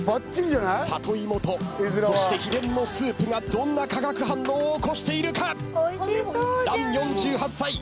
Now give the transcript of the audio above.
里芋とそして秘伝のスープがどんな化学反応を起こしているか⁉乱４８歳。